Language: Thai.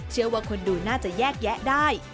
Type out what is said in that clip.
เชื่อว่าคนดูน่าจะแยกแยะได้